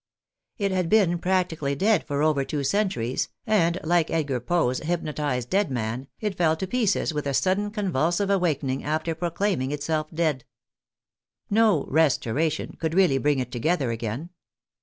It had been practically dead for over two centuries, and like Edgar Poe's hypnotized dead man, it fell to pieces with a sudden convulsive awaking after proclaiming itself dead. No " restoration " could really bring it together again.